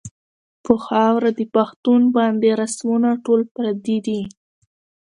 پۀ خاؤره د پښتون باندې رسمونه ټول پردي دي